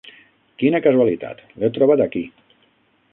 Quina casualitat, l'he trobat aquí.